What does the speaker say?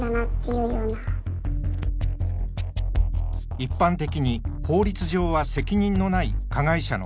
一般的に法律上は責任のない加害者の家族。